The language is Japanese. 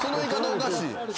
おかしい。